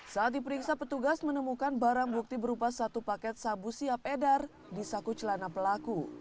saat diperiksa petugas menemukan barang bukti berupa satu paket sabu siap edar di saku celana pelaku